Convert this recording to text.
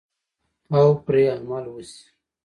او پرې عمل وشي.